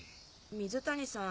水谷さん